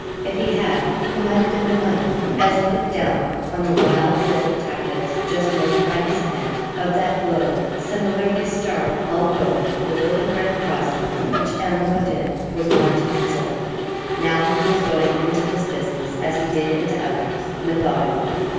If he had he might have been reminded, as he looked down upon the wild field of tactics just noted by his pen, of that globe similarly starred all over with little red crosses, which M. Rodin was wont to consult. Now he was going into this business as he did into others, methodically.